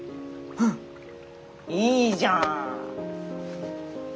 うんいいじゃん！